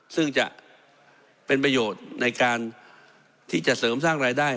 ซึ่งจะเป็นประโยชน์ในการที่จะเสริมสร้างรายได้